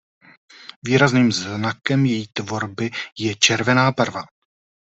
Výrazným znakem její tvorby je červená barva.